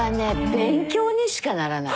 勉強にしかならない。